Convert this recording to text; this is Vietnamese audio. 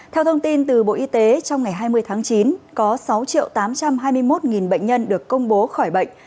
theo thông tin từ bộ y tế trong ngày hai mươi tháng chín có sáu tám trăm hai mươi một bệnh nhân được công bố khỏi bệnh